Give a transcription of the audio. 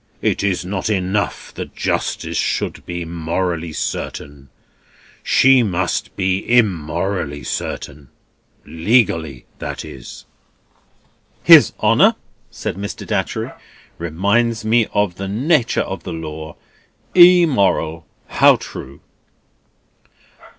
It is not enough that justice should be morally certain; she must be immorally certain—legally, that is." "His Honour," said Mr. Datchery, "reminds me of the nature of the law. Immoral. How true!"